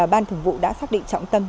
ban thường vụ đã xác định trọng tâm